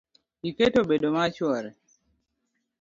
Iketo bedo mar chwore.